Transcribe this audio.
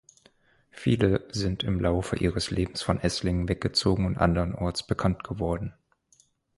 Viele sind im Laufe ihres Lebens von Esslingen weggezogen und andernorts bekannt geworden.